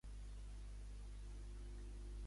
Com es defensa el Temme?